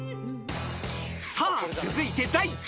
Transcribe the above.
［さあ続いて第９位は］